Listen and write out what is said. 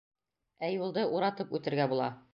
Ә юлды уратып үтергә була.